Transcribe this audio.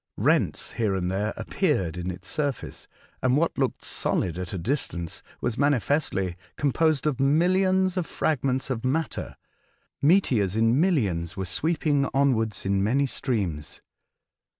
Rents here and there appeared in its surface, and what looked solid at a distance was manifestly composed of millions of fragments of matter, meteors in millions were sweeping onwards in many streams.